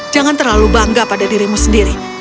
jangan terlalu bangga pada dirimu sendiri